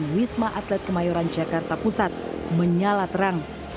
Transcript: wisma atlet kemayoran jakarta pusat menyala terang